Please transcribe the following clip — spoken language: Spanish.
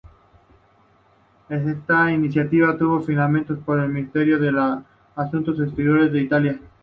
Esa iniciativa estuvo financiada por el Ministerio de Asuntos Exteriores de Italia.